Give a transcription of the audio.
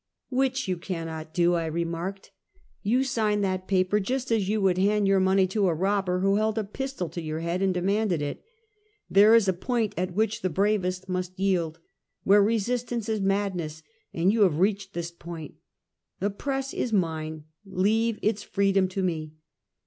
" Which you cannot do," I remarked. " You sign that paper just as you would hand your money to a robber who held a pistol to your head and demanded it. There is a point at which the bravest must yield, where resistance is madness, and you have reached this point. The press is mine, leave its freedom to me.